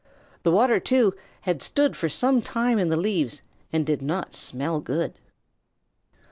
The water, too, had stood for some time in the leaves and did not smell good.